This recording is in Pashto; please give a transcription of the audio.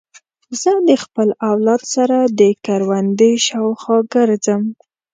زه د خپل اولاد سره د کوروندې شاوخوا ګرځم.